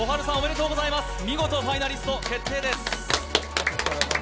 大橋小春さん、おめでとうございます、見事ファイナリスト決定です。